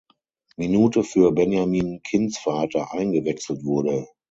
Minute für Benjamin Kindsvater eingewechselt wurde.